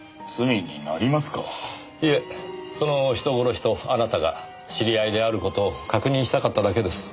いえその人殺しとあなたが知り合いである事を確認したかっただけです。